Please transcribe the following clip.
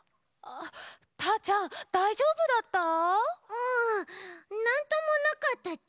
うんなんともなかったち。